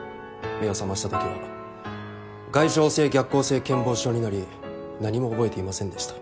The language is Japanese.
目を覚ましたときは外傷性逆行性健忘症になり何も覚えていませんでした。